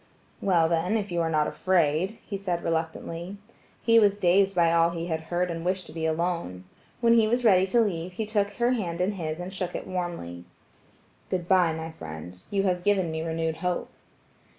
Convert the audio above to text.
"Well, then, if you are not afraid," he said reluctantly. He was dazed by all he had heard and wished to be alone. When he was ready to leave, he took her hand in his and shook it warmly. "Good bye, my friend; you have given me renewed hope."